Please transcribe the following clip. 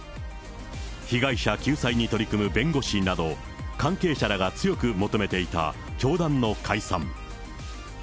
被害者救済に取り組む弁護士など、関係者らが強く求めていた教団の解散。